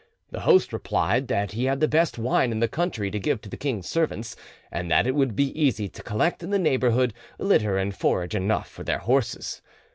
The host replied that he had the best wine in the country to give to the king's servants, and that it would be easy to collect in the neighbourhood litter and forage enough for their horses.